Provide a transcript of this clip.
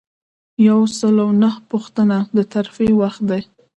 یو سل او نهمه پوښتنه د ترفیع وخت دی.